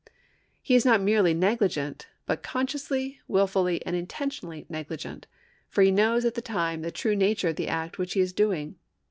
He is not merely negligent, but consciously, wilfully, and intentionally negligent ; for he knows at the time the true nature of the act which he is doing.